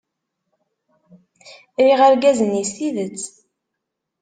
Riɣ argaz-nni s tidet.